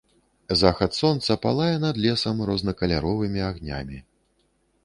Захад сонца палае над лесам рознакаляровымі агнямі.